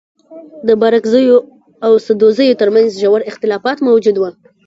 د بارکزيو او سدوزيو تر منځ ژور اختلافات موجود وه.